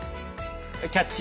「キャッチ！